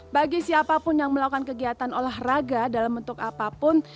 bagi siapapun yang melakukan kegiatan olahraga dalam bentuk apapun